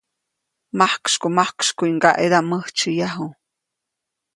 Majksykumajksykuʼy ŋgaʼedaʼm mäjtsyäyaju.